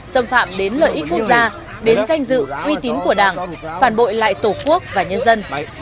xâm phạm đến lợi ích quốc gia đến danh dự uy tín của đảng phản bội lại tổ quốc và nhân dân